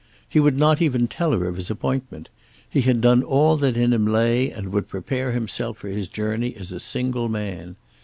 He would not even tell her of his appointment. He had done all that in him lay and would prepare himself for his journey as a single man.